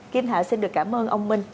kính thưa quý vị xin được cảm ơn ông minh